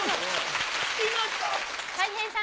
たい平さん。